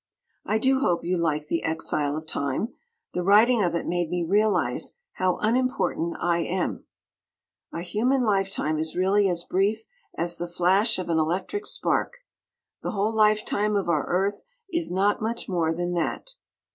I do hope you like "The Exile of Time." The writing of it made me realize how unimportant I am. A human lifetime is really as brief as the flash of an electric spark. The whole lifetime of our Earth is not much more than that.